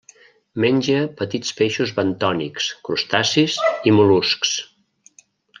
Menja petits peixos bentònics, crustacis i mol·luscs.